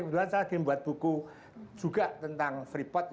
kemudian saya lagi membuat buku juga tentang free port